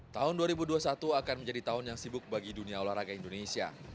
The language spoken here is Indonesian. tahun dua ribu dua puluh satu akan menjadi tahun yang sibuk bagi dunia olahraga indonesia